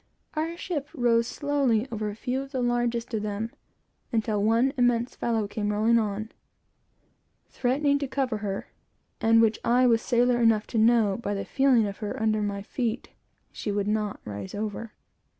Our ship rose slowly over a few of the largest of them, until one immense fellow came rolling on, threatening to cover her, and which I was sailor enough to know, by "the feeling of her" under my feet, she would not rise over.